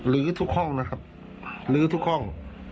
ลื้อทุกห้องนะครับลื้อทุกห้อง